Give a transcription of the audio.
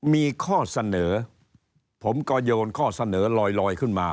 มีข้อเสนอผมก็โยนข้อเสนอลอยขึ้นมา